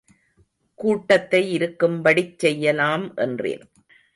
கூட்டத்தை இருக்கும்படிச் செய்யலாம் என்றேன்.